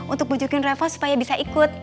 untuk pujukin reva supaya bisa ikut